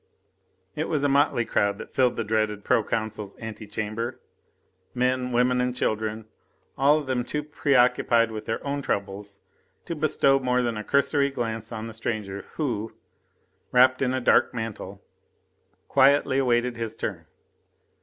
It was a motley crowd that filled the dreaded pro consul's ante chamber men, women and children all of them too much preoccupied with their own troubles to bestow more than a cursory glance on the stranger who, wrapped in a dark mantle, quietly awaited his turn.